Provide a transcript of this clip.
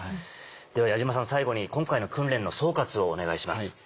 では矢島さん最後に今回の訓練の総括をお願いします。